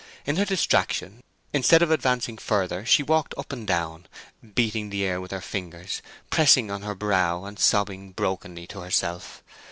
In her distraction, instead of advancing further she walked up and down, beating the air with her fingers, pressing on her brow, and sobbing brokenly to herself.